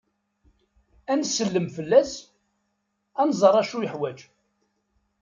Ad nsellem fell-as, ad nẓer acu yuḥwaǧ.